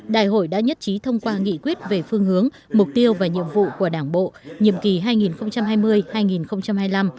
đại hội đã nhất trí thông qua nghị quyết về phương hướng mục tiêu và nhiệm vụ của đảng bộ nhiệm kỳ hai nghìn hai mươi hai nghìn hai mươi năm